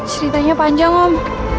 ceritanya panjang om